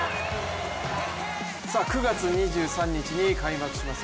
９月２３日に開幕します